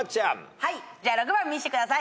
はい６番見してください。